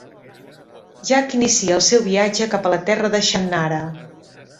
Jak inicia el seu viatge cap a la Terra de Shannara.